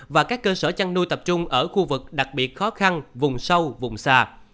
và các cơ sở chăn nuôi tập trung ở khu vực đặc biệt khó khăn vùng sâu vùng xa